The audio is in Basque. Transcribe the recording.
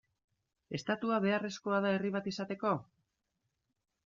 Estatua beharrezkoa da herri bat izateko?